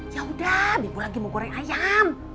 yaudah bimbu lagi mau goreng ayam